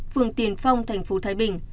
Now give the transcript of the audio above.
phường tiền phong tp thái bình